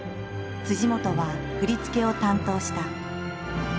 本は振り付けを担当した。